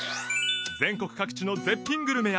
全国各地の絶品グルメや感動